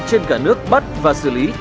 trên cả nước bắt và xử lý